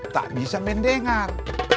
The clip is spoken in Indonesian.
tak bisa mendengar